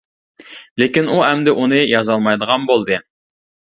لېكىن ئۇ ئەمدى ئۇنى يازالمايدىغان بولدى.